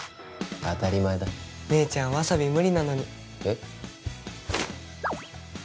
当たり前だ姉ちゃんわさび無理なのにえっ？